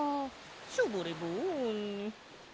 ショボレボン。